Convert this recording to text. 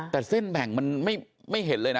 แต่เส้นแบ่งมันไม่เห็นเลยนะ